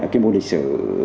cái môn lịch sử